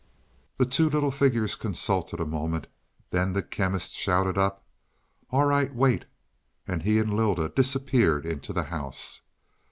The two little figures consulted a moment; then the Chemist shouted up, "All right; wait," and he and Lylda disappeared into the house.